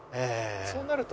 そうなると。